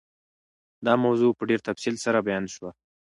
دا موضوع په ډېر تفصیل سره بیان شوه.